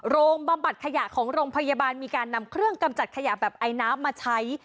บำบัดขยะของโรงพยาบาลมีการนำเครื่องกำจัดขยะแบบไอน้ำมาใช้